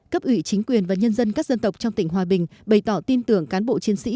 cấp ủy chính quyền và nhân dân các dân tộc trong tỉnh hòa bình bày tỏ tin tưởng cán bộ chiến sĩ